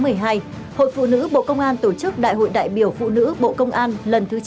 hội phụ nữ bộ công an tổ chức đại hội đại biểu phụ nữ bộ công an lần thứ chín